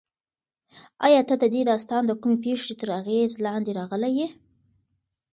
ایا ته د دې داستان د کومې پېښې تر اغېز لاندې راغلی یې؟